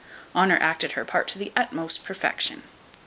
Honour acted her part to the utmost perfection.